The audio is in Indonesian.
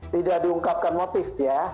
tidak diungkapkan motif ya